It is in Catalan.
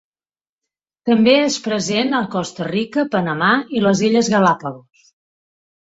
També és present a Costa Rica, Panamà i les Illes Galápagos.